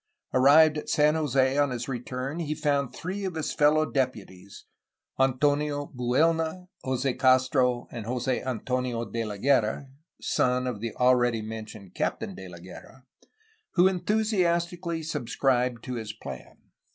Ar rived at San Jose on his return he found three of his fellow deputies, — Antonio Buelna, Jos6 Castro, and Jose Antonio De la Guerra (son of the already mentioned Captain De la Guerra), — ^who enthusiastically subscribed to his plan.